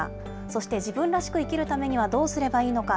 そして自分らしく生きるためには、どうすればいいのか。